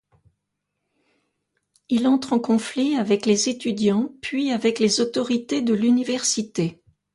Il entre en conflit avec les étudiants puis avec les autorités de l'Université.